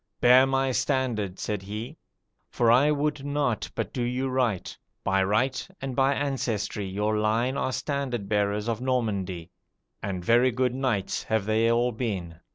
'Bear my standard,' said he, 'for I would not but do you right; by right and by ancestry your line are standard bearers of Normandy, and very good knights have they all been.'